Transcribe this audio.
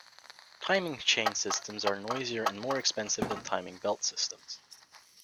Timing chain systems are noisier and more expensive than timing belt systems.